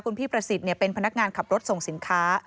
คุณพี่ประสิทธิ์เป็นพนักงานขับรถส่งสินค้า